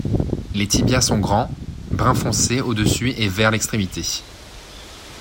Les tibias sont grands, brun foncé au-dessus et vers l'extrémité.